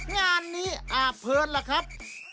งานนี้อาเพลินล่ะครับ